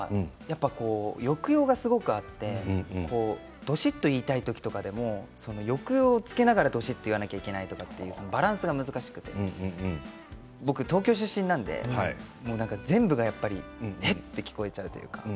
抑揚がすごくあってどしっと言いたい時でも抑揚をつけながら言わなければいけないのでバランスが難しくて僕は東京出身なので全部がえって聞こえちゃう。